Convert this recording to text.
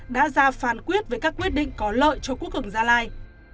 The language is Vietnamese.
đã ra phán quyết về các quyết định có lợi cho quốc cường gia lai